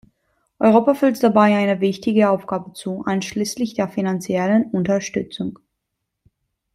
Europa fällt dabei eine wichtige Aufgabe zu, einschließlich der finanziellen Unterstützung.